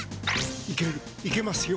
いけるいけますよ